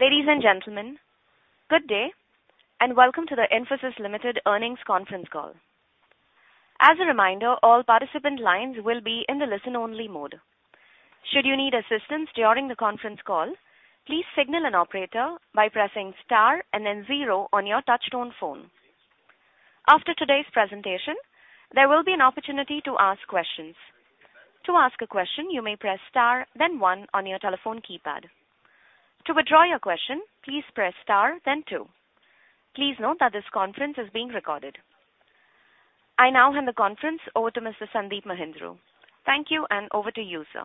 Ladies and gentlemen, good day. Welcome to the Infosys Limited earnings conference call. As a reminder, all participant lines will be in the listen-only mode. Should you need assistance during the conference call, please signal an operator by pressing star and then zero on your touch-tone phone. After today's presentation, there will be an opportunity to ask questions. To ask a question, you may press star then one on your telephone keypad. To withdraw your question, please press star then two. Please note that this conference is being recorded. I now hand the conference over to Mr. Sandeep Mahindroo. Thank you. Over to you, sir.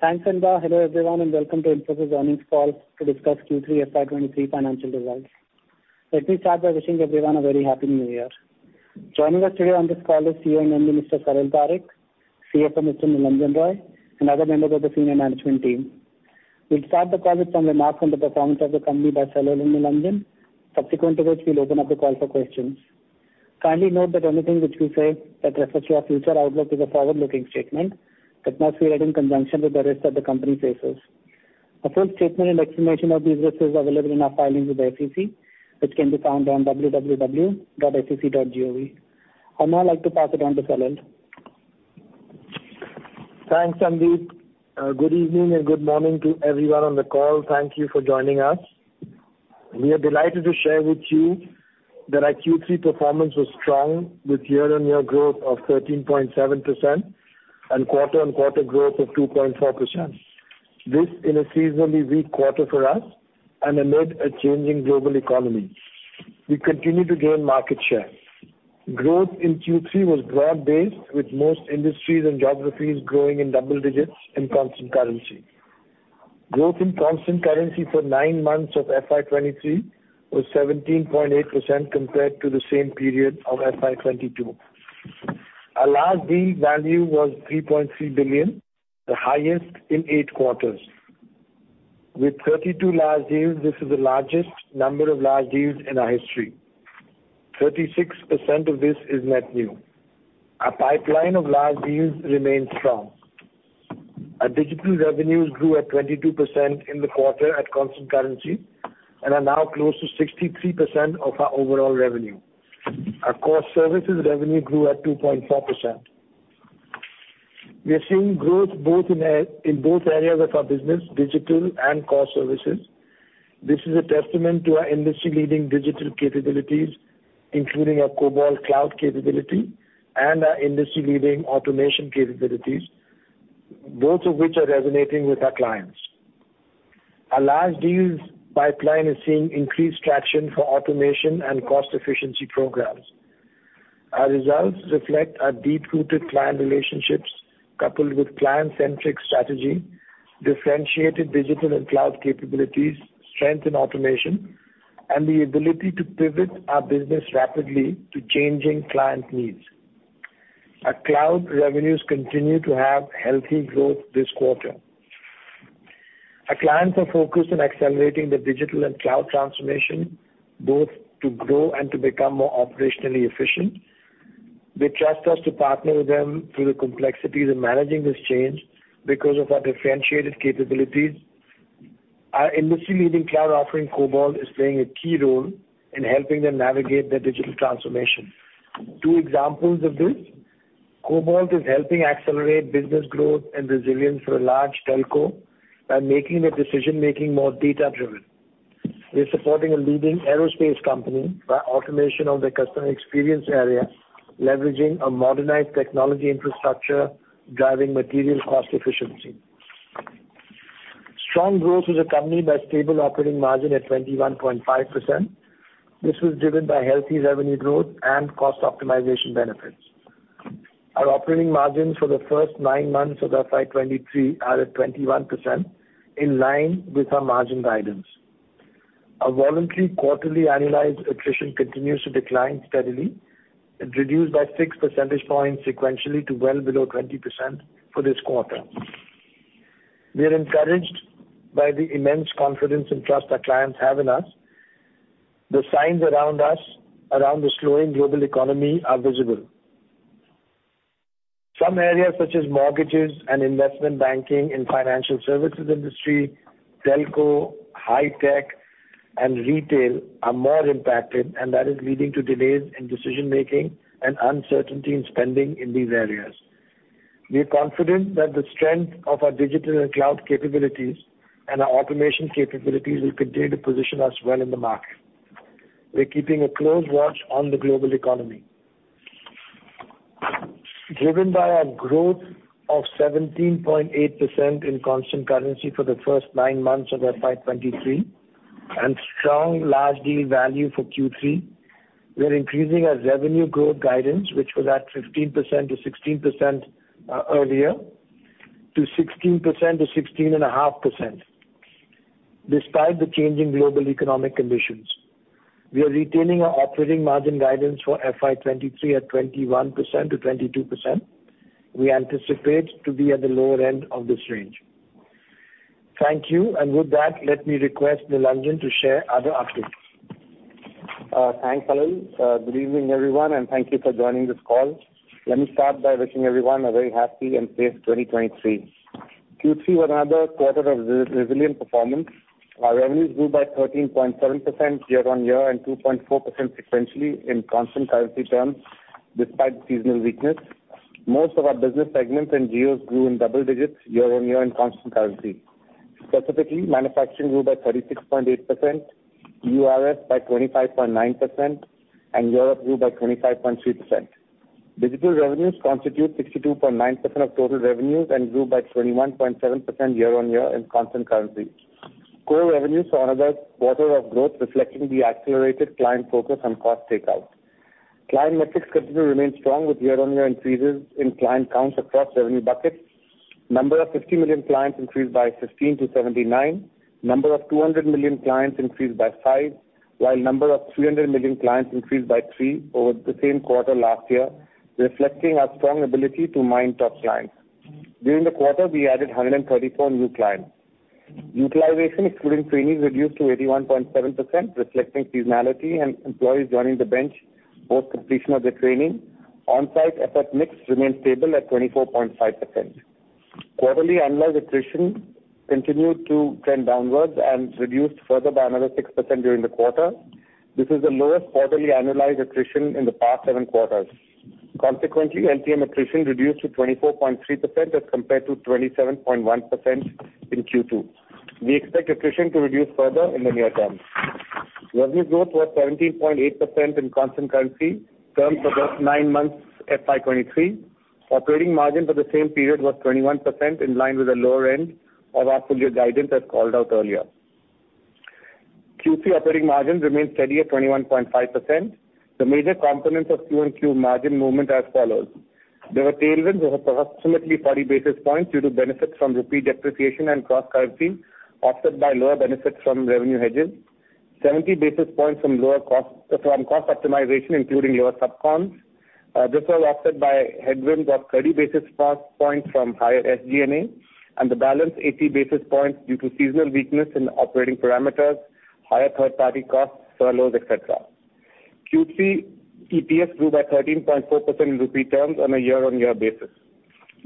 Thanks, Inba. Hello, everyone, welcome to Infosys earnings call to discuss Q3 FY 2023 financial results. Let me start by wishing everyone a very happy New Year. Joining us today on this call is CEO and MD, Mr. Salil Parekh, CFO, Mr. Nilanjan Roy, and other members of the senior management team. We'll start the call with some remarks on the performance of the company by Salil and Nilanjan. Subsequent to which we'll open up the call for questions. Kindly note that anything which we say that refers to our future outlook is a forward-looking statement that must be read in conjunction with the rest that the company places. A full statement and explanation of these risks is available in our filings with the SEC, which can be found on www.sec.gov. I'd now like to pass it on to Salil. Thanks, Sandeep. Good evening and good morning to everyone on the call. Thank you for joining us. We are delighted to share with you that our Q3 performance was strong with year-on-year growth of 13.7% and quarter-on-quarter growth of 2.4%. This in a seasonally weak quarter for us and amid a changing global economy. We continue to gain market share. Growth in Q3 was broad-based with most industries and geographies growing in double digits in constant currency. Growth in constant currency for nine months of FY 2023 was 17.8% compared to the same period of FY 2022. Our last deal value was $3.3 billion, the highest in eight quarters. With 32 large deals, this is the largest number of large deals in our history. 36% of this is net new. Our pipeline of large deals remains strong. Our digital revenues grew at 22% in the quarter at constant currency and are now close to 63% of our overall revenue. Our core services revenue grew at 2.4%. We are seeing growth both in both areas of our business, digital and core services. This is a testament to our industry-leading digital capabilities, including our Cobalt cloud capability and our industry-leading automation capabilities, both of which are resonating with our clients. Our large deals pipeline is seeing increased traction for automation and cost efficiency programs. Our results reflect our deep-rooted client relationships coupled with client-centric strategy, differentiated digital and cloud capabilities, strength in automation, and the ability to pivot our business rapidly to changing client needs. Our cloud revenues continue to have healthy growth this quarter. Our clients are focused on accelerating their digital and cloud transformation, both to grow and to become more operationally efficient. They trust us to partner with them through the complexities of managing this change because of our differentiated capabilities. Our industry-leading cloud offering, Cobalt, is playing a key role in helping them navigate their digital transformation. Two examples of this. Cobalt is helping accelerate business growth and resilience for a large telco by making their decision-making more data-driven. We're supporting a leading aerospace company by automation of their customer experience area, leveraging a modernized technology infrastructure, driving material cost efficiency. Strong growth as a company by stable operating margin at 21.5%. This was driven by healthy revenue growth and cost optimization benefits. Our operating margins for the first nine months of FY 2023 are at 21%, in line with our margin guidance. Our voluntary quarterly annualized attrition continues to decline steadily. It reduced by 6 percentage points sequentially to well below 20% for this quarter. We are encouraged by the immense confidence and trust our clients have in us. The signs around us around the slowing global economy are visible. Some areas, such as mortgages and investment banking financial services industry, telco, high-tech, and retail are more impacted, and that is leading to delays in decision making and uncertainty in spending in these areas. We are confident that the strength of our digital and cloud capabilities and our automation capabilities will continue to position us well in the market. We're keeping a close watch on the global economy. Driven by our growth of 17.8% in constant currency for the first nine months of FY 2023 and strong large deal value for Q3, we are increasing our revenue growth guidance, which was at 15%-16% earlier to 16%-16.5%, despite the changing global economic conditions. We are retaining our operating margin guidance for FY 2023 at 21%-22%. We anticipate to be at the lower end of this range. Thank you. With that, let me request Nilanjan to share other updates. Thanks, Salil. Good evening, everyone, and thank you for joining this call. Let me start by wishing everyone a very happy and safe 2023. Q3 was another quarter of resilient performance. Our revenues grew by 13.7% year-on-year and 2.4% sequentially in constant currency terms despite seasonal weakness. Most of our business segments and geos grew in double digits year-on-year in constant currency. Specifically, manufacturing grew by 36.8%, EURS by 25.9%, and Europe grew by 25.3%. Digital revenues constitute 62.9% of total revenues and grew by 21.7% year-on-year in constant currency. Core revenues saw another quarter of growth reflecting the accelerated client focus on cost takeout. Client metrics continue to remain strong with year-on-year increases in client counts across revenue buckets. Number of $50 million clients increased by 15 to 79. Number of $200 million clients increased by five, while number of $300 million clients increased by three over the same quarter last year, reflecting our strong ability to mine top clients. During the quarter, we added 134 new clients. Utilization excluding trainees reduced to 81.7%, reflecting seasonality and employees joining the bench post completion of their training. Onsite effort mix remains stable at 24.5%. Quarterly analyzed attrition continued to trend downwards and reduced further by another 6% during the quarter. This is the lowest quarterly analyzed attrition in the past seven quarters. Consequently, LTM attrition reduced to 24.3% as compared to 27.1% in Q2. We expect attrition to reduce further in the near term. Revenue growth was 17.8% in constant currency terms for the nine months FY 2023. Operating margin for the same period was 21% in line with the lower end of our full year guidance as called out earlier. Q3 operating margins remain steady at 21.5%. The major components of QoQ margin movement as follows. There were tailwinds of approximately 40 basis points due to benefits from rupee depreciation and cross currency, offset by lower benefits from revenue hedges. 70 basis points from lower cost, from cost optimization, including lower subcons. This was offset by headwinds of 30 basis points from higher SG&A and the balance 80 basis points due to seasonal weakness in operating parameters, higher third party costs, furloughs, et cetera. Q3 EPS grew by 13.4% in rupee terms on a year-on-year basis.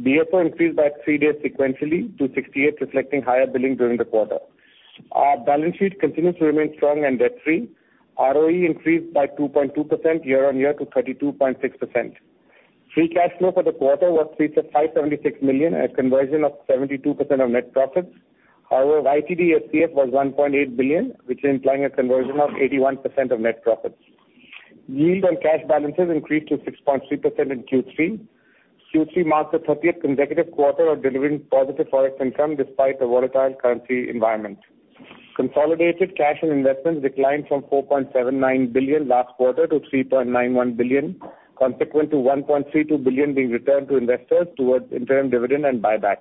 DSO increased by three days sequentially to 68 days, reflecting higher billing during the quarter. Our balance sheet continues to remain strong and debt free. ROE increased by 2.2% year-on-year to 32.6%. Free cash flow for the quarter was $576 million, a conversion of 72% of net profits. YTD FCF was $1.8 billion, which is implying a conversion of 81% of net profits. Yield on cash balances increased to 6.3% in Q3. Q3 marked the 30th consecutive quarter of delivering positive Forex income despite a volatile currency environment. Consolidated cash and investments declined from $4.79 billion last quarter to $3.91 billion, consequent to $1.32 billion being returned to investors towards interim dividend and buyback.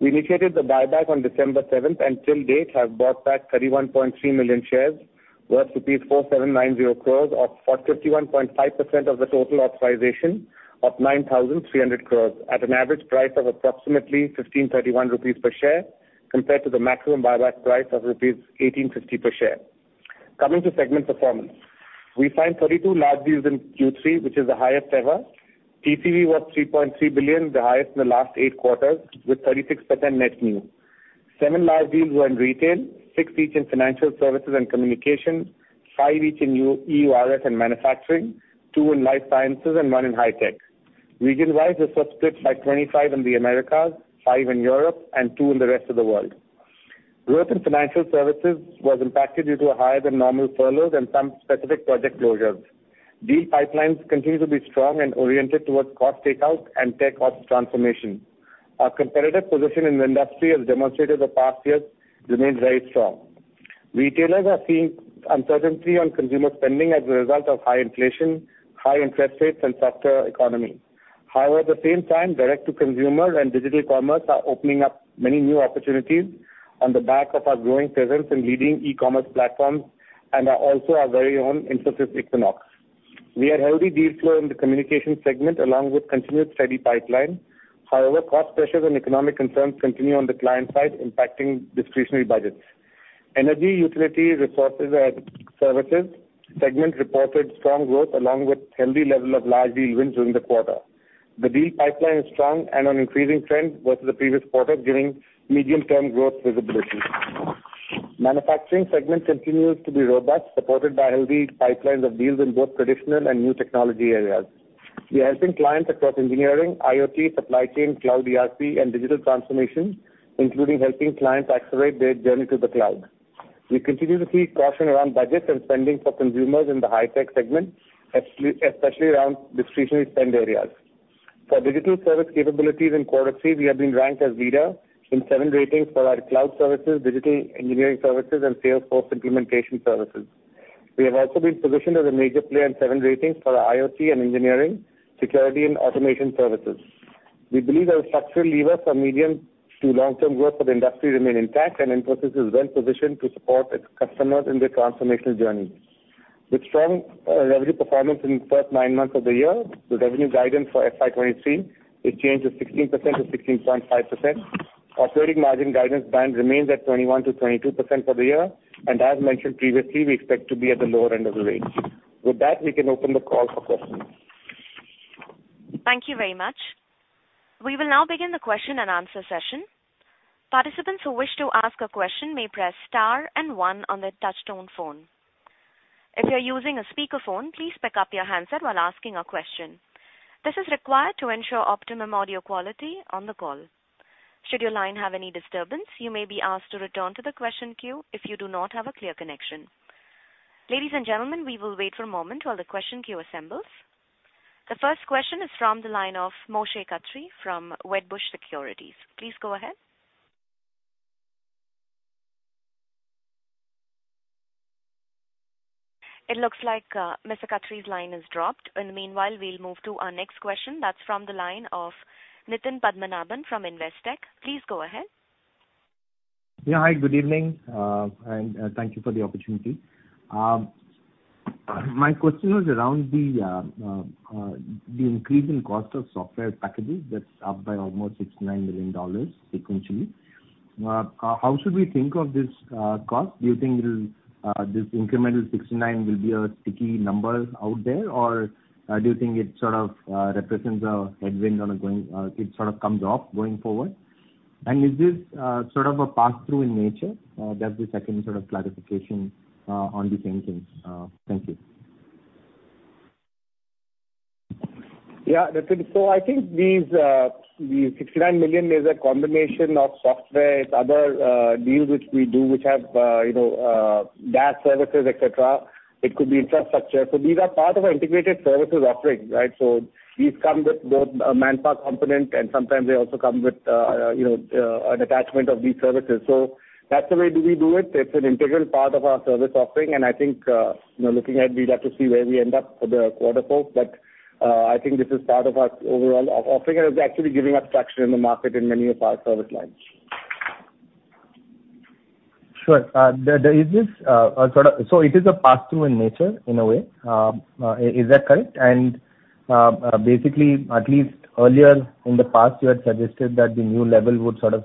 We initiated the buyback on December 7th, and till date have bought back 31.3 million shares, worth rupees 4,790 crores, or for 51.5% of the total authorization of 9,300 crores at an average price of approximately 1,531 rupees per share compared to the maximum buyback price of rupees 1,850 per share. Coming to segment performance. We signed 32 large deals in Q3, which is the highest ever. TCV was $3.3 billion, the highest in the last eight quarters, with 36% net new. Seven large deals were in retail, six each financial services and communications, five each in EURS and manufacturing, two life sciences, and one in high-tech. Region-wise, this splits by 25 in the Americas, five in Europe, and two in the rest of the world. Growth financial services was impacted due to higher than normal furloughs and some specific project closures. Deal pipelines continue to be strong and oriented towards cost takeout and tech cost transformation. Our competitive position in the industry, as demonstrated the past years, remains very strong. Retailers are seeing uncertainty on consumer spending as a result of high inflation, high interest rates, and softer economy. However, at the same time, direct to consumer and digital commerce are opening up many new opportunities on the back of our growing presence in leading e-commerce platforms and, also our very own Infosys Equinox. We had healthy deal flow in the communication segment along with continued steady pipeline. However, cost pressures and economic concerns continue on the client side, impacting discretionary budgets. Energy, Utilities, Resources, and Services segment reported strong growth along with healthy level of large deal wins during the quarter. The deal pipeline is strong and on increasing trend versus the previous quarter, giving medium term growth visibility. Manufacturing segment continues to be robust, supported by healthy pipelines of deals in both traditional and new technology areas. We are helping clients across engineering, IoT, supply chain, cloud ERP and digital transformation, including helping clients accelerate their journey to the cloud. We continue to see caution around budgets and spending for consumers in the high-tech segment, especially around discretionary spend areas. For digital service capabilities in quarter three, we have been ranked as leader in seven ratings for our cloud services, digital engineering services, and Salesforce implementation services. We have also been positioned as a major player in seven ratings for our IoT and engineering, security and automation services. We believe our structural levers for medium to long term growth of industry remain intact, and Infosys is well positioned to support its customers in their transformational journey. With strong revenue performance in the first nine months of the year. The revenue guidance for FY 2023 is changed to 16%-16.5%. Operating margin guidance band remains at 21%-22% for the year. As mentioned previously, we expect to be at the lower end of the range. With that, we can open the call for questions. Thank you very much. We will now begin the question and answer session. Participants who wish to ask a question may press star and one on their touch-tone phone. If you're using a speakerphone, please pick up your handset while asking a question. This is required to ensure optimum audio quality on the call. Should your line have any disturbance, you may be asked to return to the question queue if you do not have a clear connection. Ladies and gentlemen, we will wait for a moment while the question queue assembles. The first question is from the line of Moshe Katri from Wedbush Securities. Please go ahead. It looks like Mr. Katri's line has dropped. In the meanwhile, we'll move to our next question. That's from the line of Nitin Padmanabhan from Investec. Please go ahead. Yeah. Hi, good evening, and thank you for the opportunity. My question was around the increase in cost of software packages that's up by almost $69 million sequentially. How should we think of this cost? Do you think it'll this incremental $69 million will be a sticky number out there? Or, do you think it sort of represents a headwind on a going it sort of comes off going forward? Is this, sort of a pass-through in nature? That's the second sort of clarification, on the same thing. Thank you. Nitin. I think these, the $69 million is a combination of software, other deals which we do, which have, you know, DaaS services, et cetera. It could be infrastructure. These are part of our integrated services offering, right? These come with both a manpower component, and sometimes they also come with, you know, an attachment of these services. That's the way do we do it. It's an integral part of our service offering. I think, you know, looking ahead, we'd have to see where we end up for the quarter four. I think this is part of our overall offering, and it's actually giving us traction in the market in many of our service lines. Sure. There is this. It is a pass-through in nature in a way. Is that correct? Basically, at least earlier in the past, you had suggested that the new level would sort of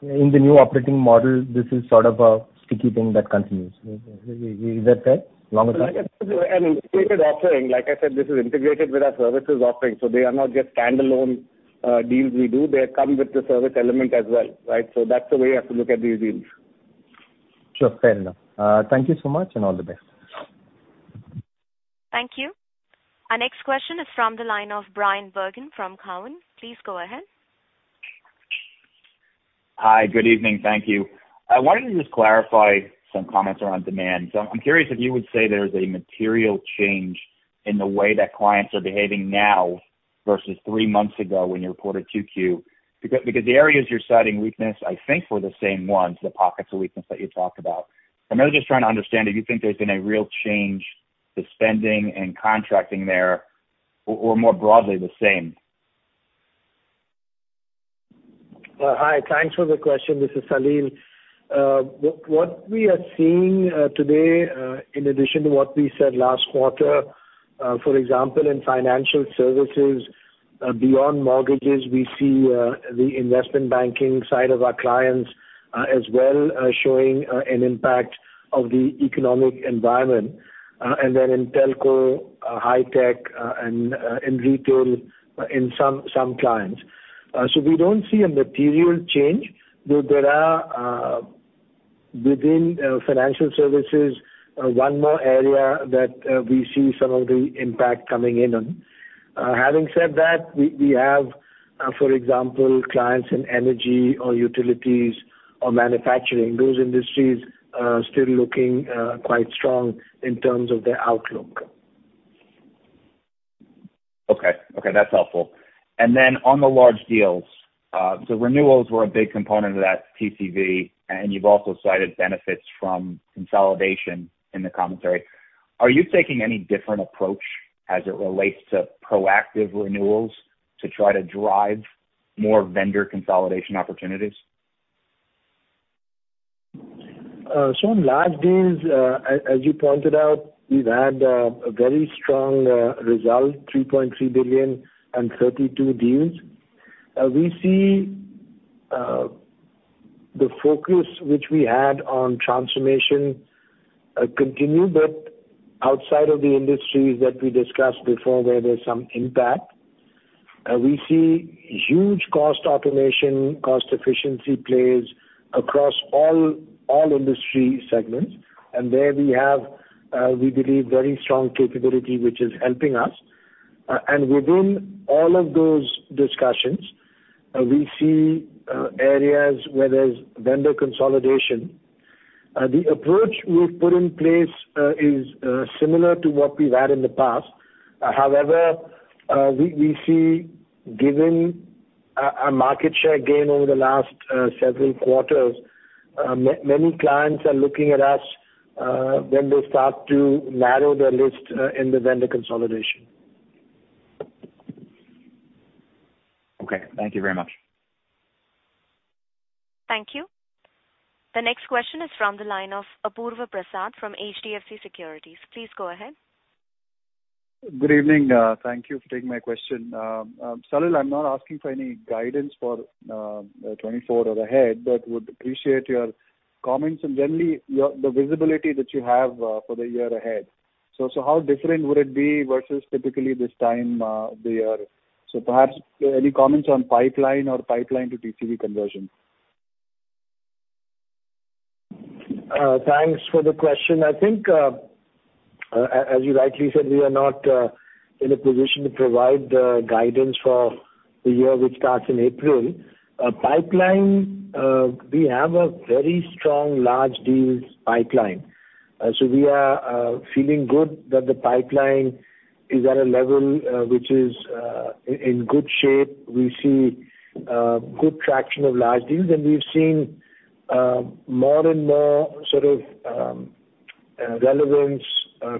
sustain. In the new operating model, this is sort of a sticky thing that continues. Is that fair? Long term? An integrated offering. Like I said, this is integrated with our services offering. They are not just standalone deals we do. They come with the service element as well, right? That's the way you have to look at these deals. Sure. Fair enough. Thank you so much and all the best. Thank you. Our next question is from the line of Bryan Bergin from Cowen. Please go ahead. Hi. Good evening. Thank you. I wanted to just clarify some comments around demand. I'm curious if you would say there's a material change in the way that clients are behaving now versus three months ago when you reported 2Q. The areas you're citing weakness, I think were the same ones, the pockets of weakness that you talked about. I'm really just trying to understand if you think there's been a real change to spending and contracting there or more broadly the same. Hi. Thanks for the question. This is Salil. What we are seeing today, in addition to what we said last quarter, for example, in financial services, beyond mortgages, we see the investment banking side of our clients as well showing an impact of the economic environment, and in telco, hi‑tech, and in retail in some clients. We don't see a material change, though there are financial services one more area that we see some of the impact coming in on. Having said that, we have, for example, clients in energy or utilities or manufacturing. Those industries are still looking quite strong in terms of their outlook. Okay. Okay, that's helpful. On the large deals, renewals were a big component of that TCV, and you've also cited benefits from consolidation in the commentary. Are you taking any different approach as it relates to proactive renewals to try to drive more vendor consolidation opportunities? In large deals, as you pointed out, we've had a very strong result, $3.3 billion and 32 deals. We see the focus which we had on transformation continue, but outside of the industries that we discussed before, where there's some impact, we see huge cost automation, cost efficiency plays across all industry segments. There we have, we believe, very strong capability, which is helping us. Within all of those discussions, we see areas where there's vendor consolidation. The approach we've put in place is similar to what we've had in the past. However, we see given a market share gain over the last several quarters, many clients are looking at us when they start to narrow their list in the vendor consolidation. Okay. Thank you very much. Thank you. The next question is from the line of Apurva Prasad from HDFC Securities. Please go ahead. Good evening. Thank you for taking my question. Salil, I'm not asking for any guidance for 2024 or ahead, but would appreciate your comments and generally your, the visibility that you have for the year ahead. How different would it be versus typically this time the year? Perhaps any comments on pipeline or pipeline-to-TCV conversion? Thanks for the question. I think, as you rightly said, we are not in a position to provide guidance for the year which starts in April. Pipeline, we have a very strong large deals pipeline. We are feeling good that the pipeline is at a level which is in good shape. We see good traction of large deals, and we've seen more and more sort of relevance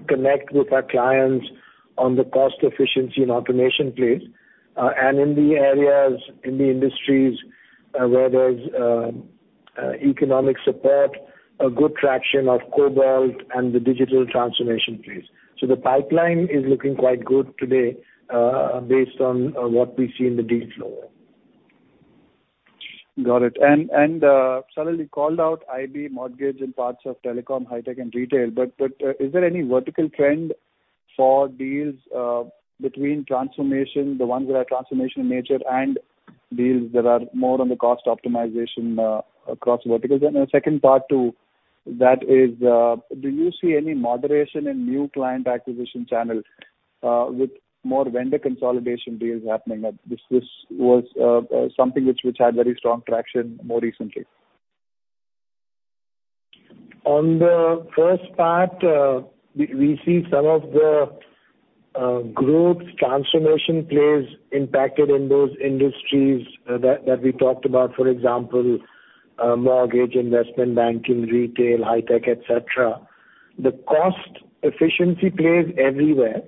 connect with our clients on the cost efficiency and automation plays. In the areas, in the industries, where there's economic support, a good traction of Cobalt and the digital transformation plays. The pipeline is looking quite good today, based on what we see in the deal flow. Got it. Salil, you called out IB, mortgage and parts of telecom, hi‑tech and retail, but is there any vertical trend for deals, between transformation, the ones that are transformation in nature and deals that are more on the cost optimization, across verticals? A second part to that is, do you see any moderation in new client acquisition channels, with more vendor consolidation deals happening? This was something which had very strong traction more recently. On the first part, we see some of the growth transformation plays impacted in those industries, that we talked about, for example, mortgage, investment banking, retail, high-tech, et cetera. The cost efficiency plays everywhere.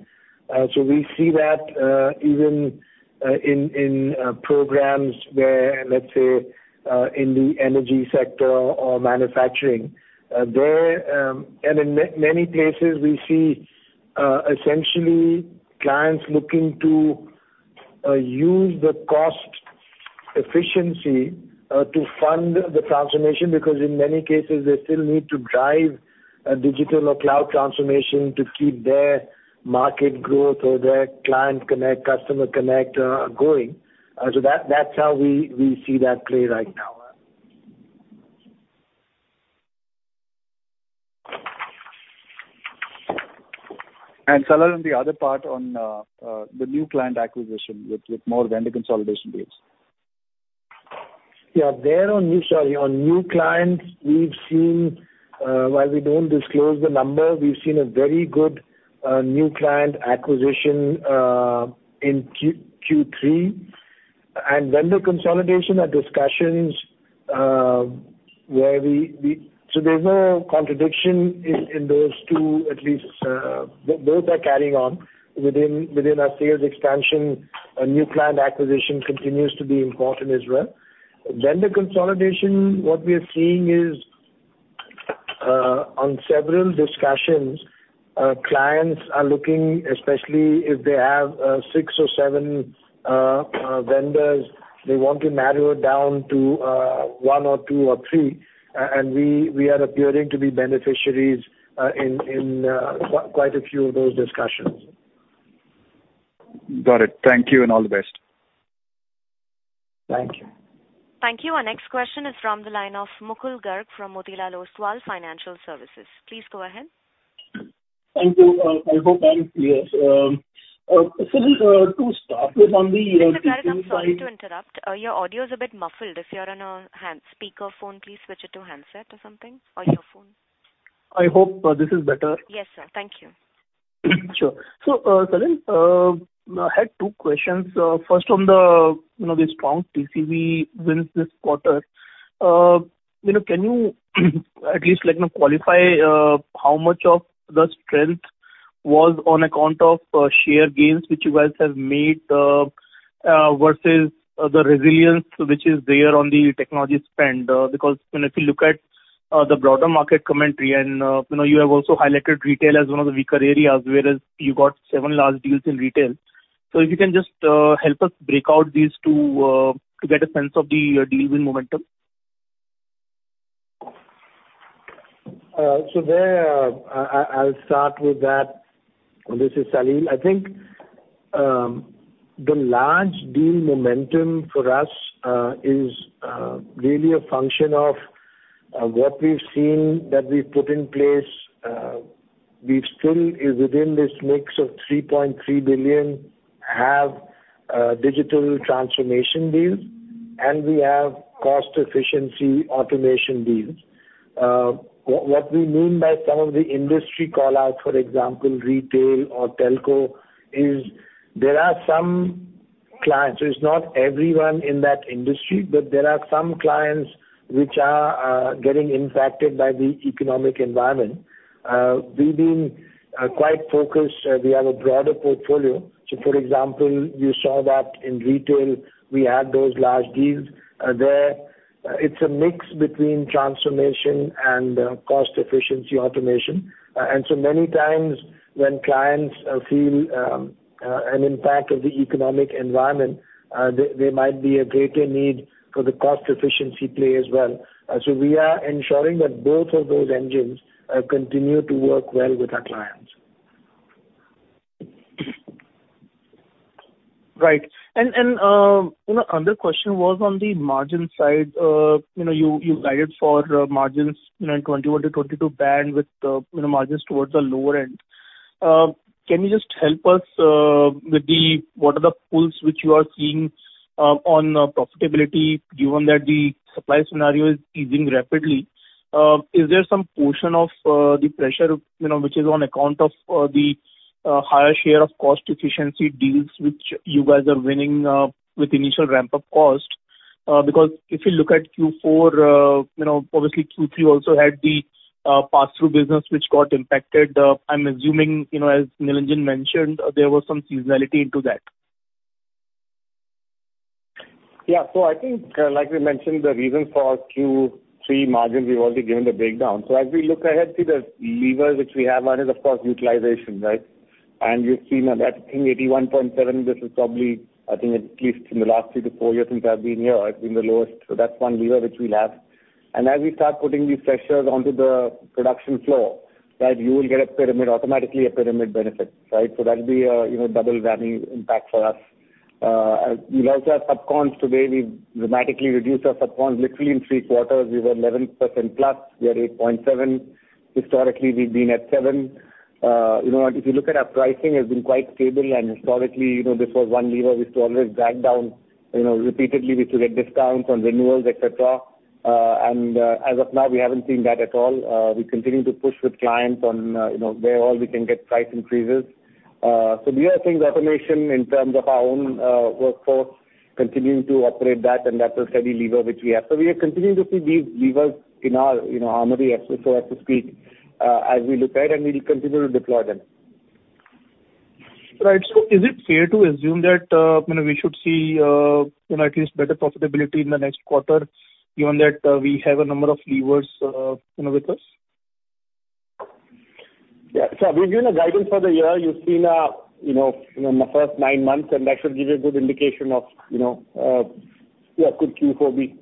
We see that, even, in programs where let's say, in the energy sector or manufacturing. There and in many cases we see essentially clients looking to use the cost efficiency to fund the transformation, because in many cases they still need to drive a digital or cloud transformation to keep their market growth or their client connect, customer connect, going. That's how we see that play right now. Salil, on the other part on the new client acquisition with more vendor consolidation deals. Yeah. There on new, sorry, on new clients we've seen, while we don't disclose the number, we've seen a very good new client acquisition in Q3 and vendor consolidation are discussions where we. There's no contradiction in those two at least. Those are carrying on within our sales expansion. New client acquisition continues to be important as well. Vendor consolidation, what we are seeing is on several discussions, clients are looking, especially if they have six or seven vendors, they want to narrow it down to one or two or three. We are appearing to be beneficiaries in quite a few of those discussions. Got it. Thank you and all the best. Thank you. Thank you. Our next question is from the line of Mukul Garg from Motilal Oswal Financial Services. Please go ahead. Thank you. Salil, to start with on the- Mukul Garg, I'm sorry to interrupt. Your audio's a bit muffled. If you're on a hand speakerphone, please switch it to handset or something or your phone. I hope this is better. Yes, sir. Thank you. Sure. Salil, I had two questions. First on the, you know, the strong TCV wins this quarter. You know, can you at least like, you know, qualify how much of the strength was on account of share gains which you guys have made versus the resilience which is there on the technology spend? Because, you know, if you look at the broader market commentary and, you know, you have also highlighted retail as one of the weaker areas, whereas you got seven large deals in retail. If you can just help us break out these two to get a sense of the deal win momentum. There, I'll start with that. This is Salil. I think, the large deal momentum for us is really a function of what we've seen that we've put in place. We've still is within this mix of $3.3 billion have digital transformation deals, and we have cost efficiency automation deals. What we mean by some of the industry call out, for example, retail or telco, is there are some clients, so it's not everyone in that industry, but there are some clients which are getting impacted by the economic environment. We've been quite focused. We have a broader portfolio. For example, you saw that in retail, we had those large deals. There, it's a mix between transformation and cost efficiency automation. Many times when clients feel an impact of the economic environment, there might be a greater need for the cost efficiency play as well. We are ensuring that both of those engines continue to work well with our clients. Right. You know, another question was on the margin side. You know, you guided for margins, you know, in 21-22 band with, you know, margins towards the lower end. Can you just help us with the, what are the pulls which you are seeing on profitability given that the supply scenario is easing rapidly? Is there some portion of the pressure, you know, which is on account of the higher share of cost efficiency deals which you guys are winning with initial ramp-up cost? Because if you look at Q4, you know, obviously Q3 also had the pass-through business which got impacted. I'm assuming, you know, as Nilanjan mentioned, there was some seasonality into that. Yeah. I think, like we mentioned, the reason for Q3 margins, we've already given the breakdown. As we look ahead to the levers which we have, one is of course utilization, right? You've seen that at I think 81.7%, this is probably.I think at least in the last three to four years since I've been here, has been the lowest. That's one lever which we'll have. As we start putting these pressures onto the production floor, right? You will get a pyramid, automatically a pyramid benefit, right? That'll be a, you know, double whammy impact for us. We'll also have subcons. Today we've dramatically reduced our subcons. Literally in three quarters we were 11%+, we are 8.7%. Historically, we've been at 7%. If you look at our pricing has been quite stable and historically, this was one lever we used to always drag down. Repeatedly we used to get discounts on renewals, et cetera. As of now, we haven't seen that at all. We continue to push with clients on where all we can get price increases. These are things, automation in terms of our own workforce, continuing to operate that, and that's a steady lever which we have. We are continuing to see these levers in our armory as we look ahead, and we'll continue to deploy them. Right. Is it fair to assume that, you know, we should see, you know, at least better profitability in the next quarter given that we have a number of levers, you know, with us? We've given a guidance for the year. You've seen, you know, in the first nine months and that should give you a good indication of, you know, a good Q4 beat.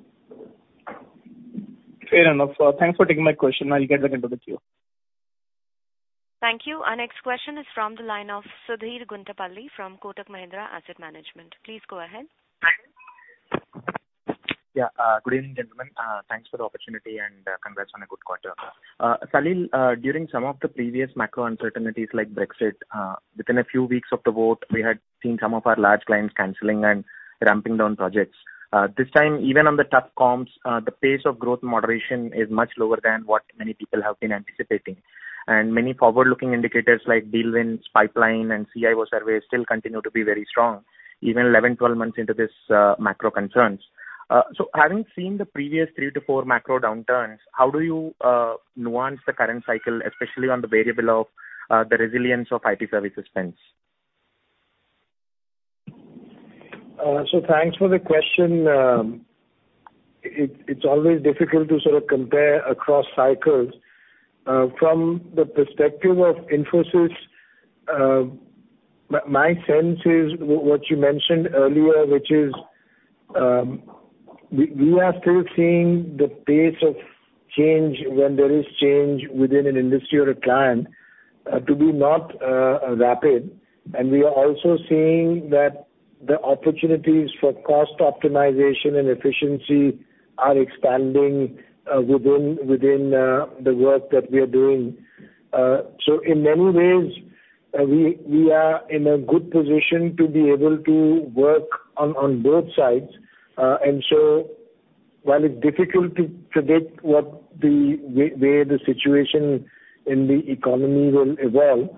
Fair enough, sir. Thanks for taking my question. I'll get back into the queue. Thank you. Our next question is from the line of Sudheer Guntupalli from Kotak Mahindra Asset Management. Please go ahead. Good evening, gentlemen. Thanks for the opportunity and congrats on a good quarter. Salil, during some of the previous macro uncertainties like Brexit, within a few weeks of the vote, we had seen some of our large clients canceling and ramping down projects. This time even on the tough comps, the pace of growth moderation is much lower than what many people have been anticipating. Many forward-looking indicators like deal wins, pipeline, and CIO surveys still continue to be very strong, even 11, 12 months into this macro concerns. Having seen the previous three to four macro downturns, how do you nuance the current cycle, especially on the variable of the resilience of IT services spends? Thanks for the question. It's always difficult to sort of compare across cycles. From the perspective of Infosys, my sense is what you mentioned earlier, which is, we are still seeing the pace of change when there is change within an industry or a client, to be not rapid. We are also seeing that the opportunities for cost optimization and efficiency are expanding within the work that we are doing. In many ways, we are in a good position to be able to work on both sides. While it's difficult to predict what the where the situation in the economy will evolve,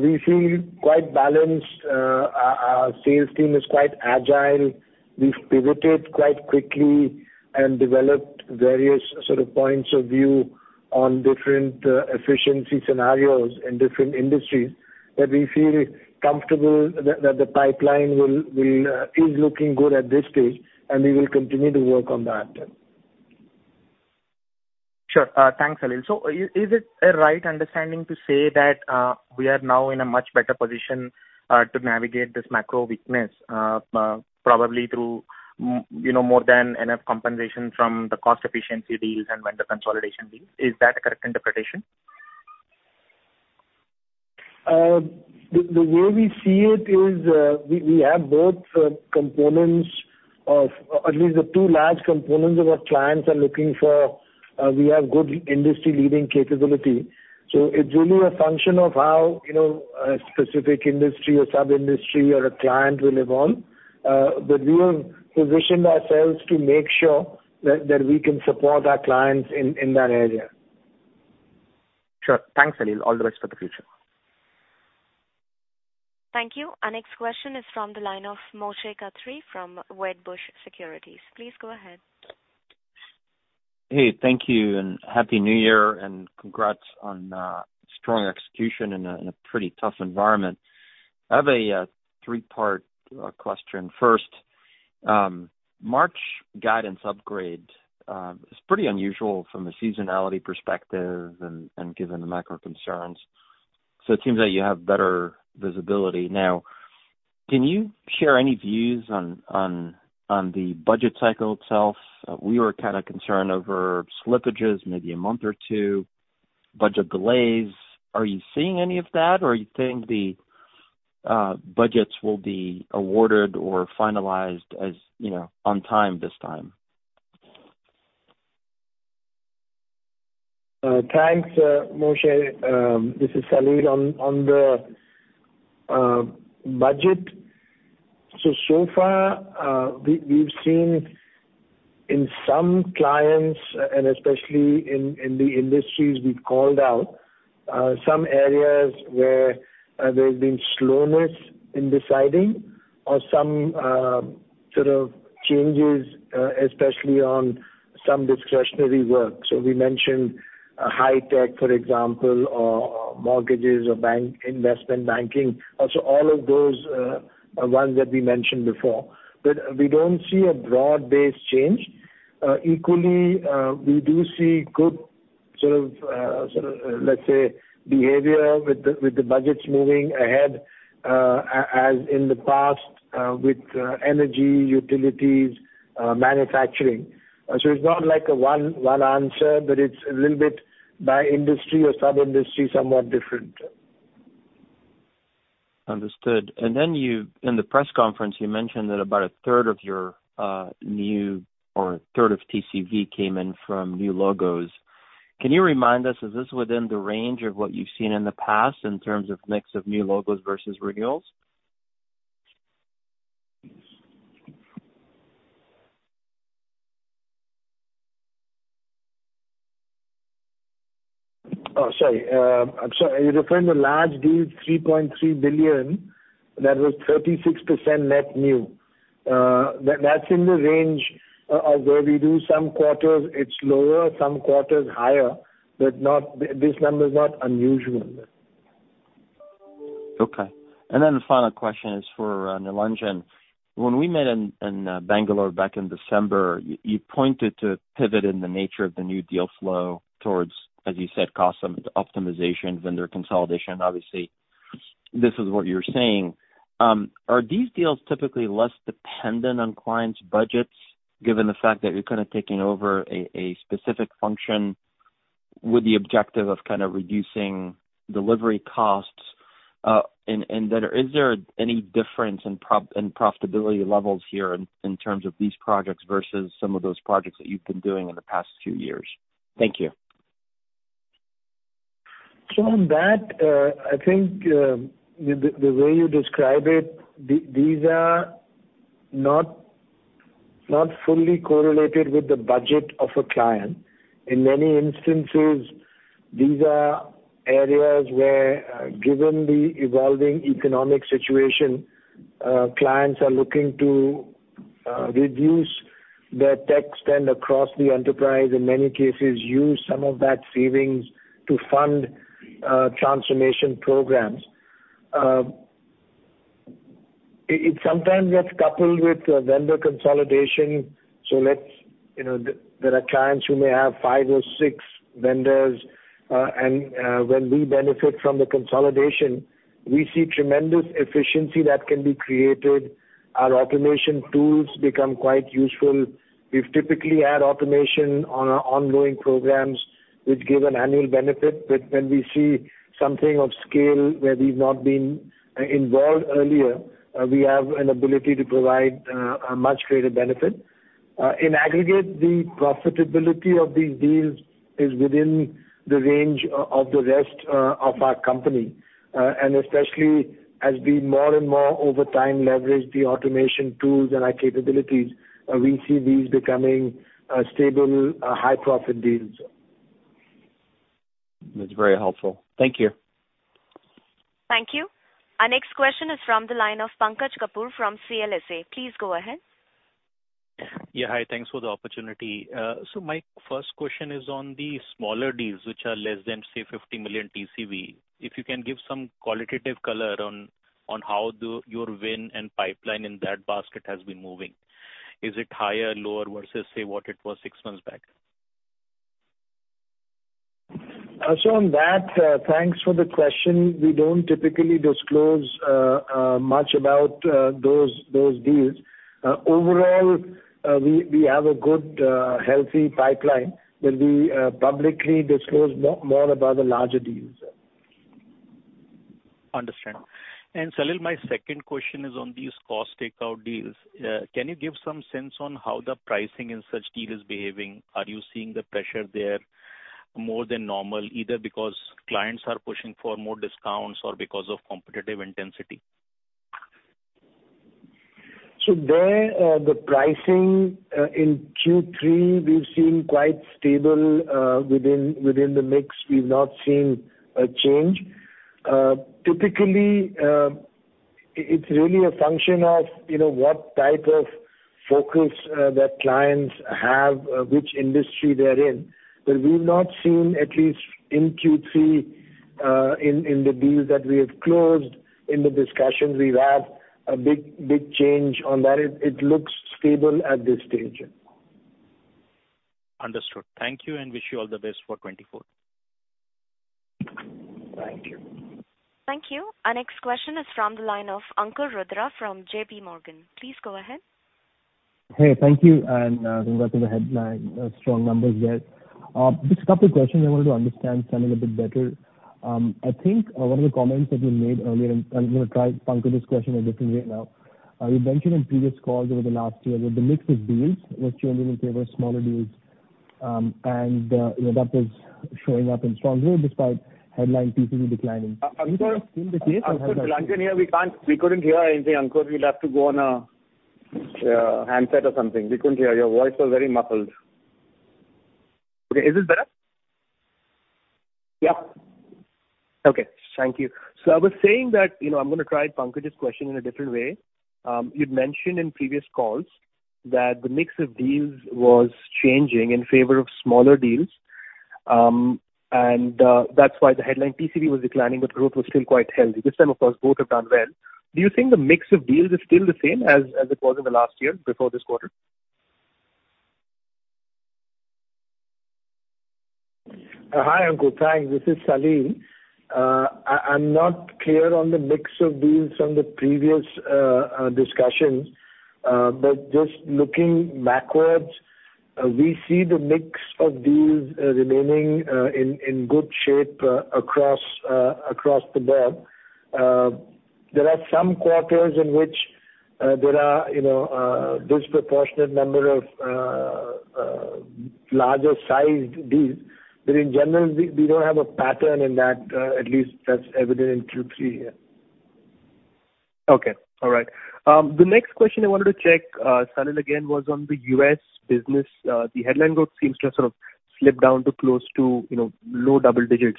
we feel quite balanced. Our sales team is quite agile. We've pivoted quite quickly and developed various sort of points of view on different efficiency scenarios in different industries, that we feel comfortable that the pipeline will is looking good at this stage, and we will continue to work on that. Sure. Thanks, Salil. Is it a right understanding to say that, we are now in a much better position, to navigate this macro weakness, probably through you know, more than enough compensation from the cost efficiency deals and vendor consolidation deals? Is that a correct interpretation? The way we see it is, we have both components of, at least the two large components of our clients are looking for. We have good industry-leading capability. It's really a function of how, you know, a specific industry or sub-industry or a client will evolve. We have positioned ourselves to make sure that we can support our clients in that area. Sure. Thanks, Salil. All the best for the future. Thank you. Our next question is from the line of Moshe Katri from Wedbush Securities. Please go ahead. Hey, thank you and Happy New Year, and congrats on strong execution in a pretty tough environment. I have a three-part question. First, March guidance upgrade is pretty unusual from a seasonality perspective and given the macro concerns. It seems that you have better visibility. Now, can you share any views on the budget cycle itself? We were kinda concerned over slippages maybe a month or two, budget delays. Are you seeing any of that or you think the budgets will be awarded or finalized as, you know, on time this time? Thanks, Moshe. This is Salil. On the budget, so far, we've seen in some clients and especially in the industries we've called out, some areas where there's been slowness in deciding or some sort of changes, especially on some discretionary work. We mentioned high-tech, for example, or mortgages or bank investment banking. All of those are ones that we mentioned before. We don't see a broad-based change. Equally, we do see good sort of, let's say, behavior with the budgets moving ahead, as in the past, with energy, utilities, manufacturing. It's not like a one answer, but it's a little bit by industry or sub-industry, somewhat different. Understood. In the press conference you mentioned that about 1/3 of your new or 1/3 of TCV came in from new logos. Can you remind us, is this within the range of what you've seen in the past in terms of mix of new logos versus renewals? Sorry. I'm sorry. Are you referring to large deals, $3.3 billion that was 36% net new? That's in the range of where we do some quarters it's lower, some quarters higher, but not this number is not unusual. Okay. The final question is for Nilanjan. When we met in Bangalore back in December, you pointed to pivot in the nature of the new deal flow towards, as you said, cost optimizations, vendor consolidation. Obviously this is what you're saying. Are these deals typically less dependent on clients' budgets given the fact that you're kind of taking over a specific function with the objective of kind of reducing delivery costs? Is there any difference in profitability levels here in terms of these projects versus some of those projects that you've been doing in the past few years? Thank you. On that, I think, the way you describe it, these are not fully correlated with the budget of a client. In many instances, these are areas where, given the evolving economic situation, clients are looking to reduce their tech spend across the enterprise, in many cases use some of that savings to fund transformation programs. It sometimes gets coupled with a vendor consolidation. Let's, you know, there are clients who may have five or six vendors, and when we benefit from the consolidation, we see tremendous efficiency that can be created. Our automation tools become quite useful. We've typically had automation on our ongoing programs, which give an annual benefit. When we see something of scale where we've not been involved earlier, we have an ability to provide a much greater benefit. In aggregate, the profitability of these deals is within the range of the rest of our company. Especially as we more and more over time leverage the automation tools and our capabilities, we see these becoming stable, high profit deals. That's very helpful. Thank you. Thank you. Our next question is from the line of Pankaj Kapoor from CLSA. Please go ahead. Yeah. Hi. Thanks for the opportunity. My first question is on the smaller deals which are less than, say, $50 million TCV. If you can give some qualitative color on how your win and pipeline in that basket has been moving. Is it higher, lower versus, say, what it was six months back? On that, thanks for the question. We don't typically disclose much about those deals. Overall, we have a good, healthy pipeline where we publicly disclose more about the larger deals. Understood. Salil, my second question is on these cost takeout deals. Can you give some sense on how the pricing in such deal is behaving? Are you seeing the pressure there more than normal, either because clients are pushing for more discounts or because of competitive intensity? There. The pricing in Q3 we've seen quite stable within the mix. We've not seen a change. Typically, it's really a function of, you know, what type of focus that clients have, which industry they're in. We've not seen, at least in Q3, in the deals that we have closed, in the discussions we've had, a big change on that. It looks stable at this stage. Understood. Thank you and wish you all the best for 2024. Thank you. Thank you. Our next question is from the line of Ankur Rudra from JPMorgan. Please go ahead. Hey, thank you, and congrats on the headline, strong numbers there. Just a couple of questions I wanted to understand, Salil, a bit better. I think one of the comments that you made earlier, and I'm gonna try and puncture this question a different way now. You mentioned in previous calls over the last year that the mix of deals was changing in favor of smaller deals. You know, that was showing up in strong growth despite headline TCV declining. A-Ankur- Do you think that's still the case or has that changed? Ankur, can you hear? We couldn't hear anything, Ankur. You'll have to go on a handset or something. We couldn't hear. Your voice was very muffled. Okay, is this better? Yeah. Okay, thank you. I was saying that, you know, I'm gonna try and puncture this question in a different way. You'd mentioned in previous calls that the mix of deals was changing in favor of smaller deals, and, that's why the headline TCV was declining, but growth was still quite healthy. This time, of course, both have done well. Do you think the mix of deals is still the same as it was in the last year before this quarter? Hi, Ankur. Thanks. This is Salil. I'm not clear on the mix of deals from the previous discussions. Just looking backwards, we see the mix of deals remaining in good shape across the board. There are some quarters in which there are, you know, a disproportionate number of larger sized deals. In general, we don't have a pattern in that, at least that's evident in Q3 here. Okay. All right. The next question I wanted to check, Salil, again, was on the U.S. business. The headline growth seems to have sort of slipped down to close to, you know, low double digits,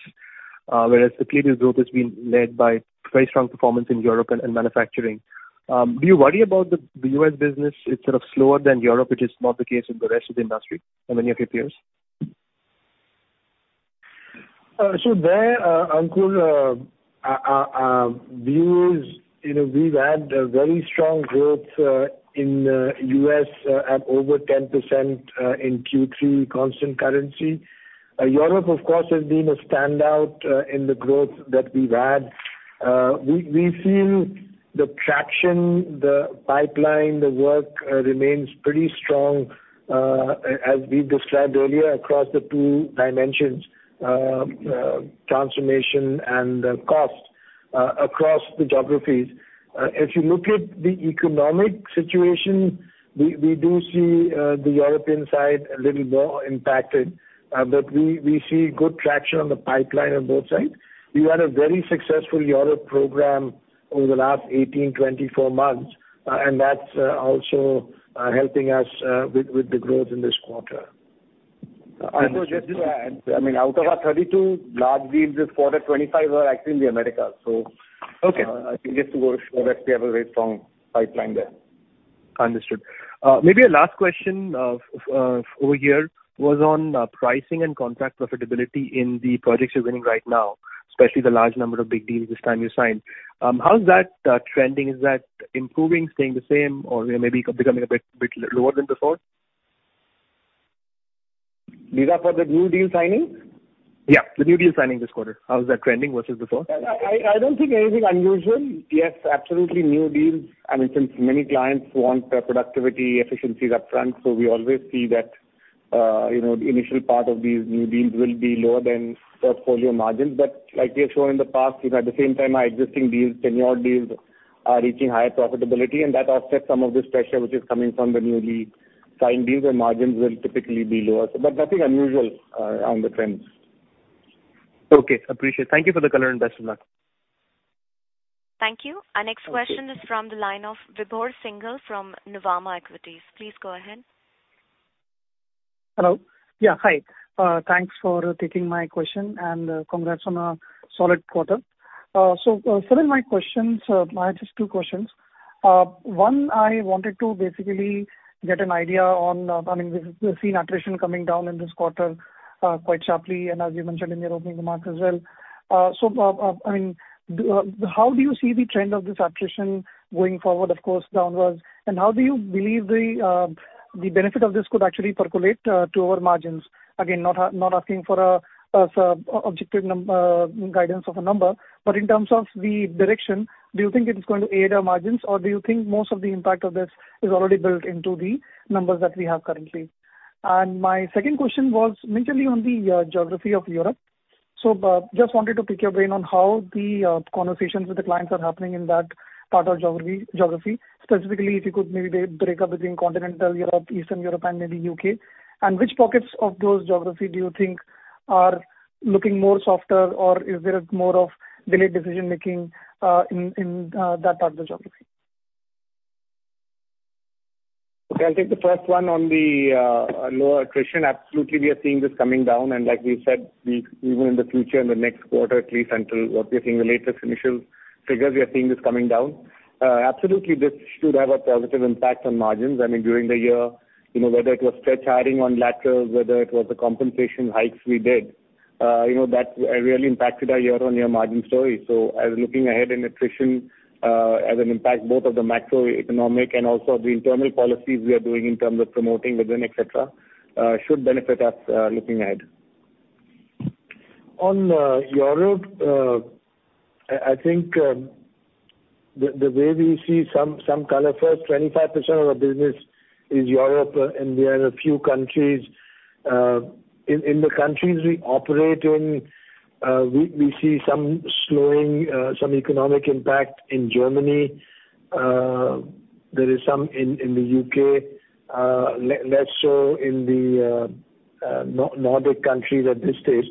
whereas the previous growth has been led by very strong performance in Europe and manufacturing. Do you worry about the U.S. business is sort of slower than Europe, which is not the case with the rest of the industry and many of your peers? There, Ankur, our view is, you know, we've had a very strong growth in U.S. at over 10% in Q3 constant currency. Europe of course has been a standout in the growth that we've had. We've seen the traction, the pipeline, the work remains pretty strong as we've described earlier across the two dimensions, transformation and cost across the geographies. If you look at the economic situation, we do see the European side a little more impacted, but we see good traction on the pipeline on both sides. We've had a very successful Europe program over the last 18, 24 months, and that's also helping us with the growth in this quarter. Understood. Ankur, just to add, I mean, out of our 32 large deals this quarter, 25 are actually in the Americas, so- Okay. I think just to reassure that we have a very strong pipeline there. Understood. Maybe a last question for here was on pricing and contract profitability in the projects you're winning right now, especially the large number of big deals this time you signed. How is that trending? Is that improving, staying the same or, you know, maybe becoming a bit lower than before? These are for the new deal signings? Yeah, the new deal signings this quarter. How is that trending versus before? I don't think anything unusual. Yes, absolutely new deals. I mean, since many clients want productivity, efficiency is upfront, so we always see that, you know, the initial part of these new deals will be lower than portfolio margins. Like we have shown in the past, you know, at the same time our existing deals, tenured deals are reaching higher profitability and that offsets some of this pressure which is coming from the newly signed deals where margins will typically be lower. Nothing unusual, on the trends. Okay. Appreciate it. Thank you for the color and best of luck. Thank you. Our next question is from the line of Vibhor Singhal from Nuvama Equities. Please go ahead. Hello. Yeah, hi. Thanks for taking my question and congrats on a solid quarter. Salil, my questions, I have just two questions. One, I wanted to basically get an idea on, I mean, we've seen attrition coming down in this quarter, quite sharply and as you mentioned in your opening remarks as well. I mean, do how do you see the trend of this attrition going forward, of course downwards, and how do you believe the benefit of this could actually percolate to our margins? Again, not asking for a sort of objective guidance of a number. But in terms of the direction, do you think it is going to aid our margins? Do you think most of the impact of this is already built into the numbers that we have currently? My second question was mainly on the geography of Europe. Just wanted to pick your brain on how the conversations with the clients are happening in that part of geography. Specifically, if you could maybe break up between continental Europe, Eastern Europe, and maybe U.K. Which pockets of those geography do you think are looking more softer or is there more of delayed decision making in that part of the geography? Okay, I'll take the first one on the lower attrition. Absolutely, we are seeing this coming down. Like we said, even in the future, in the next quarter, at least until what we are seeing the latest initial figures. We are seeing this coming down. Absolutely this should have a positive impact on margins. I mean, during the year, you know, whether it was stretch hiring on laterals, whether it was the compensation hikes we did. You know, that really impacted our year-on-year margin story. As looking ahead in attrition, as an impact both of the macroeconomic and also of the internal policies we are doing in terms of promoting within, et cetera, should benefit us looking ahead. On Europe, I think the way we see some color first 25% of our business is Europe. There are a few countries... In the countries we operate in, we see some slowing. Some economic impact in Germany. There is some in the U.K. Less so in the Nordic countries at this stage.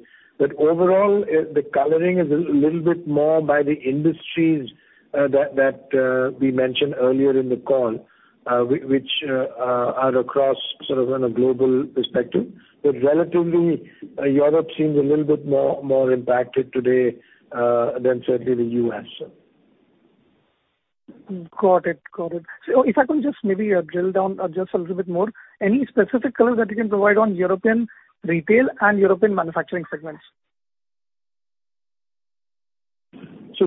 Overall, the coloring is a little bit more by the industries that we mentioned earlier in the call, which are across sort of on a global perspective. Relatively, Europe seems a little bit more impacted today than certainly the U.S. Got it. Got it. If I can just maybe drill down just a little bit more? Any specific color that you can provide on European retail and European manufacturing segments?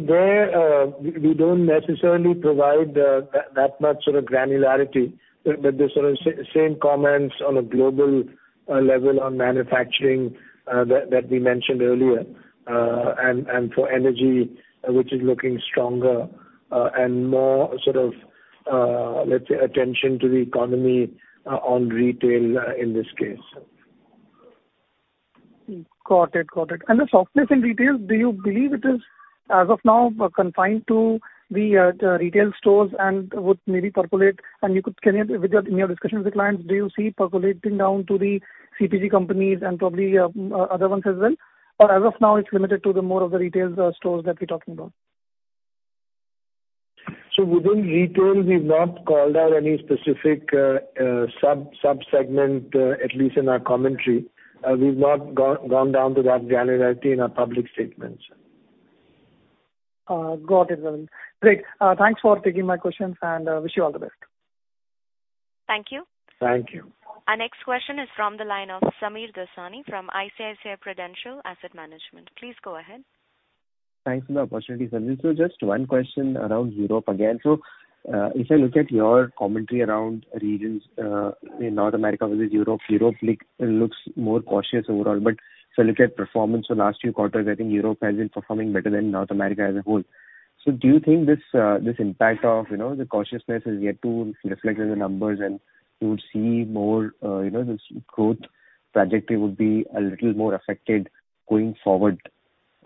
There, we don't necessarily provide that much sort of granularity. The sort of same comments on a global level on manufacturing that we mentioned earlier. For energy, which is looking stronger, and more sort of, let's say attention to the economy, on retail, in this case. Got it. Got it. The softness in retail, do you believe it is as of now confined to the retail stores and would maybe percolate and can you with your, in your discussions with clients, do you see percolating down to the CPG companies and probably other ones as well? Or as of now it's limited to the more of the retail stores that we're talking about? Within retail, we've not called out any specific sub-segment at least in our commentary. We've not gone down to that granularity in our public statements. Got it. Great. Thanks for taking my questions, and wish you all the best. Thank you. Thank you. Our next question is from the line of Sameer Dosani from ICICI Prudential Asset Management. Please go ahead. Thanks for the opportunity, Salil. Just one question around Europe again. If I look at your commentary around regions in North America versus Europe looks more cautious overall. If I look at performance for last few quarters, I think Europe has been performing better than North America as a whole. Do you think this impact of, you know, the cautiousness is yet to reflect in the numbers and you would see more, you know, this growth trajectory would be a little more affected going forward?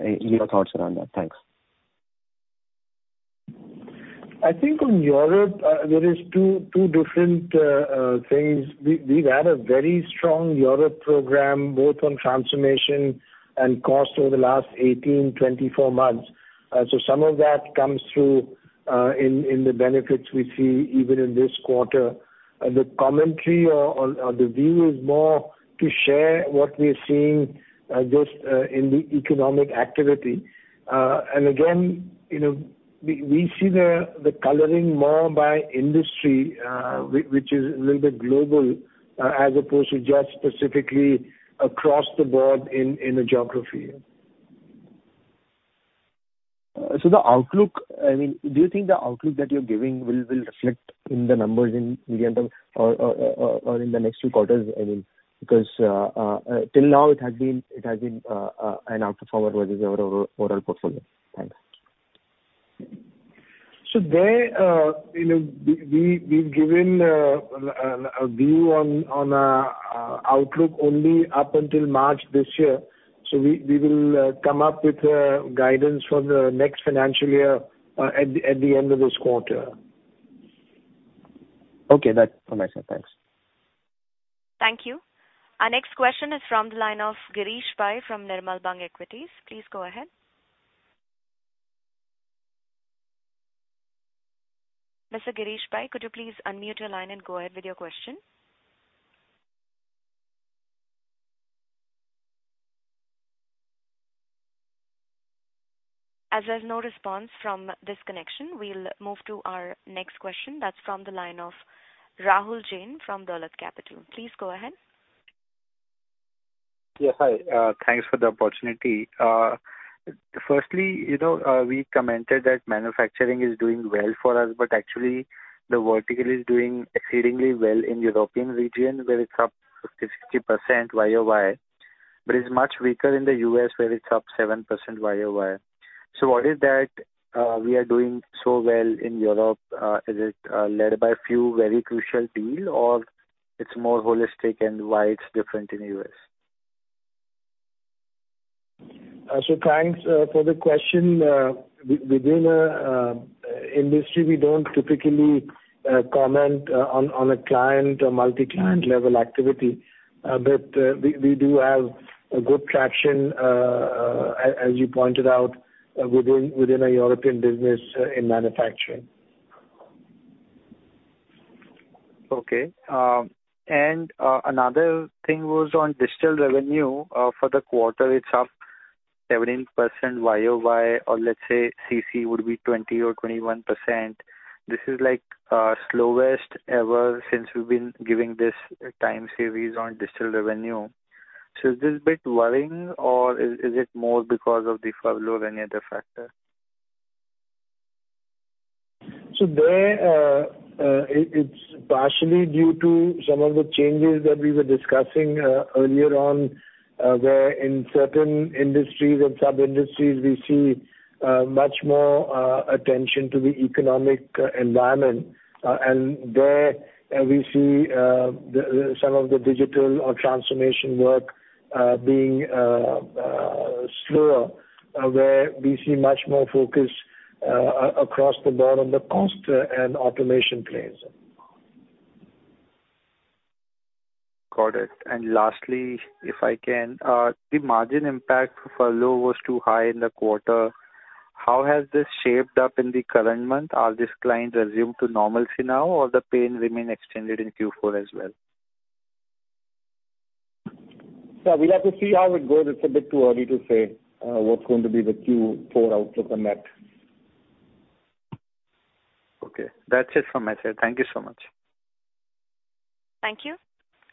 Your thoughts around that. Thanks. I think on Europe, there is two different things. We've had a very strong Europe program, both on transformation and cost over the last 18, 24 months. Some of that comes through in the benefits we see even in this quarter. The commentary or the view is more to share what we're seeing just in the economic activity. Again, you know, we see the coloring more by industry, which is a little bit global, as opposed to just specifically across the board in a geography. The outlook, I mean, do you think the outlook that you're giving will reflect in the numbers in the end of or in the next few quarters? I mean, because, till now it has been an outperformer versus our overall portfolio. Thanks. There, you know, we've given a view on outlook only up until March this year. We will come up with guidance for the next financial year at the end of this quarter. Okay. That's all myself. Thanks. Thank you. Our next question is from the line of Girish Pai from Nirmal Bang Equities. Please go ahead. Mr. Girish Pai, could you please unmute your line and go ahead with your question? As there's no response from this connection, we'll move to our next question. That's from the line of Rahul Jain from Dolat Capital. Please go ahead. Yeah. Hi. Thanks for the opportunity. Firstly, you know, we commented that manufacturing is doing well for us, but actually the vertical is doing exceedingly well in European region where it's up 50% YoY, but it's much weaker in the U.S., where it's up 7% YoY. What is that we are doing so well in Europe? Is it led by a few very crucial deal, or it's more holistic and why it's different in the U.S.? Thanks for the question. Within a industry, we don't typically comment on a client or multi-client level activity. We do have a good traction as you pointed out within our European business in manufacturing. Okay. Another thing was on digital revenue. For the quarter, it's up 17% YoY or let's say CC would be 20% or 21%. This is like, slowest ever since we've been giving this time series on digital revenue. Is this a bit worrying or is it more because of the furlough and other factor? There, it's partially due to some of the changes that we were discussing earlier on, where in certain industries and sub-industries we see much more attention to the economic environment. There we see the some of the digital or transformation work being slower where we see much more focus across the board on the cost and automation plays. Got it. Lastly, if I can. The margin impact furlough was too high in the quarter. How has this shaped up in the current month? Are these clients resumed to normalcy now or the pain remain extended in Q4 as well? Yeah. We'll have to see how it goes. It's a bit too early to say what's going to be the Q4 outlook on that. Okay. That's it from my side. Thank you so much. Thank you.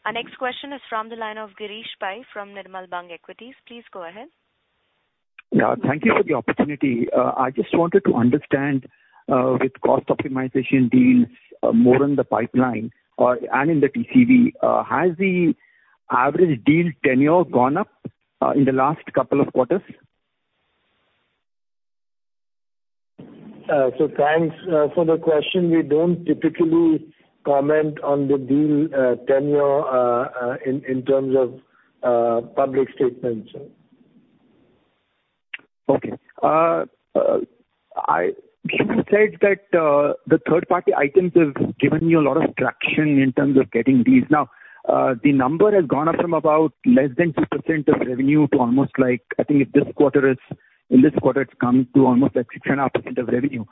Our next question is from the line of Girish Pai from Nirmal Bang Equities. Please go ahead. Thank you for the opportunity. I just wanted to understand, with cost optimization deals more in the pipeline or, and in the TCV, has the average deal tenure gone up in the last couple of quarters? Thanks for the question. We don't typically comment on the deal tenure in terms of public statements. Okay. You said that the third party items have given you a lot of traction in terms of getting these. Now, the number has gone up from about less than 2% of revenue to almost like I think this quarter is, in this quarter it's come to almost like 2.5% of revenue.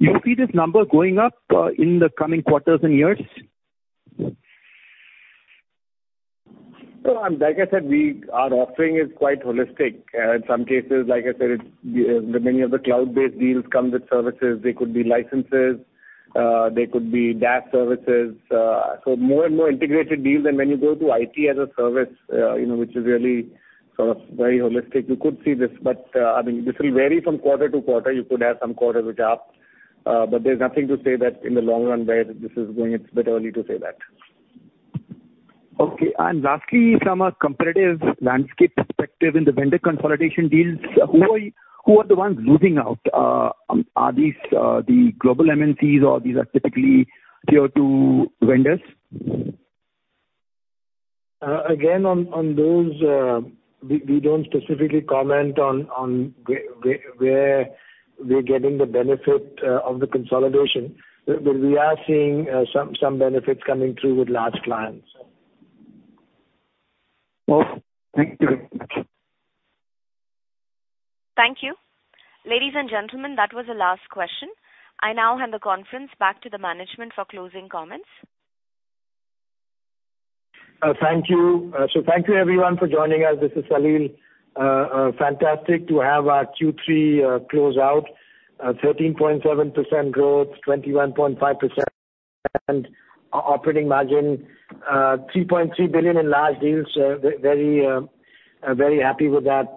Do you see this number going up, in the coming quarters and years? Like I said, we, our offering is quite holistic. In some cases like I said, it's, the many of the cloud-based deals come with services. They could be licenses, they could be DaaS services. More and more integrated deals and when you go to IT as a service, you know, which is really sort of very holistic. You could see this. I mean, this will vary from quarter-to-quarter. You could have some quarters which are up, but there's nothing to say that in the long run where this is going. It's a bit early to say that. Okay. Lastly, from a competitive landscape perspective in the vendor consolidation deals, who are the ones losing out? Are these the global MNCs or these are typically Tier 2 vendors? Again, on those, we don't specifically comment on where we're getting the benefit of the consolidation. We are seeing some benefits coming through with large clients. Well, thank you very much. Thank you. Ladies and gentlemen, that was the last question. I now hand the conference back to the management for closing comments. Thank you. Thank you everyone for joining us. This is Salil. Fantastic to have our Q3 close out. 13.7% growth, 21.5% operating margin. $3.3 billion in large deals. Very, very happy with that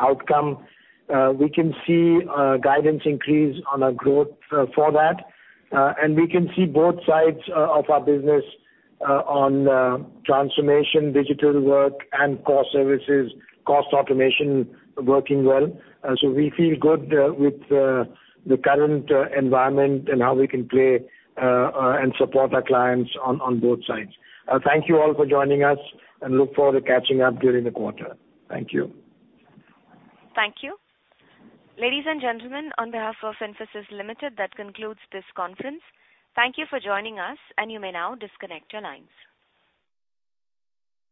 outcome. We can see guidance increase on our growth for that. And we can see both sides of our business on transformation, digital work and core services, cost automation working well. We feel good with the current environment and how we can play and support our clients on both sides. Thank you all for joining us and look forward to catching up during the quarter. Thank you. Thank you. Ladies and gentlemen, on behalf of Infosys Limited, that concludes this conference. Thank you for joining us, and you may now disconnect your lines.